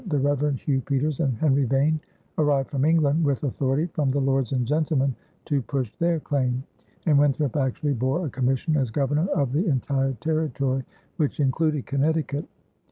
the Reverend Hugh Peters, and Henry Vane arrived from England with authority from the lords and gentlemen to push their claim, and Winthrop actually bore a commission as governor of the entire territory, which included Connecticut.